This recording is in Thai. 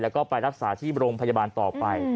แล้วก็ไปรักษาที่โรงพยาบาลต่อไป